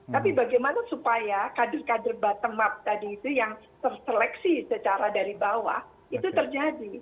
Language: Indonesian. tapi bagaimana supaya kader kader bottom up tadi itu yang terseleksi secara dari bawah itu terjadi